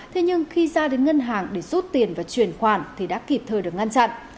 thế nhưng khi ra đến ngân hàng để rút tiền và chuyển khoản thì đã kịp thời được ngăn chặn